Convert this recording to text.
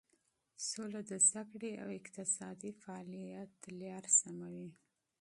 سوله د زده کړې او اقتصادي فعالیت زمینه برابروي.